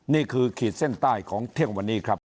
ขีดเส้นใต้ของเที่ยงวันนี้ครับ